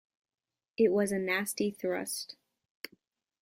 It was a nasty thrust.